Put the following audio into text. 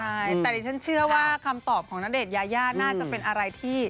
ใช่แต่ดิฉันเชื่อว่าคำตอบของณเดชนยายาน่าจะเป็นอะไรที่